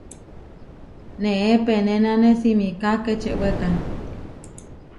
Neé penénane simiká kečewéka.